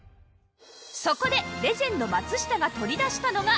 そこでレジェンド松下が取り出したのが